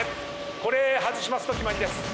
これ外しますと決まりです。